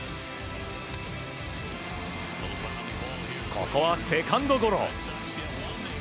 ここはセカンドゴロ。